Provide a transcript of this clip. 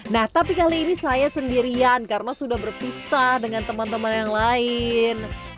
nah tapi kali ini saya sendirian karena sudah berpisah dengan teman teman yang lain